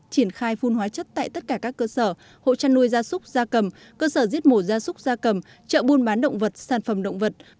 triển khai phun hóa chất tại tất cả các cơ sở hộ chăn nuôi gia súc gia cầm cơ sở giết mổ gia súc gia cầm chợ buôn bán động vật sản phẩm động vật